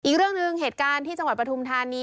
อีกเรื่องหนึ่งเหตุการณ์ที่จังหวัดปฐุมธานี